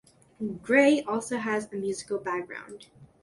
Gray also has a musical background.